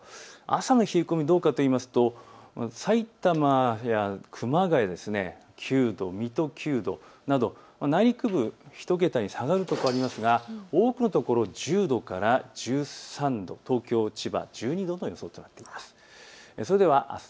朝の冷え込みはどうかというとさいたまや熊谷９度、水戸９度など内陸部、１桁に下がるところがありますが多くの所、１０度から１３度、東京、千葉、１２度の予想となっています。